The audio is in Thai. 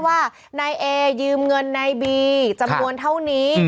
ทนายรัชพนธ์บอกแบบนี้